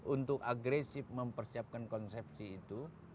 untuk agresif mempersiapkan konsepsi itu